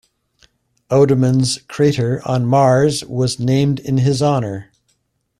Oudemans crater on Mars was named in his honor.